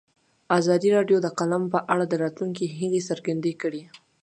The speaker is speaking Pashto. ازادي راډیو د اقلیم په اړه د راتلونکي هیلې څرګندې کړې.